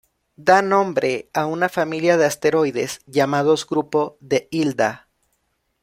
Da nombre a una familia de asteroides llamados grupo de Hilda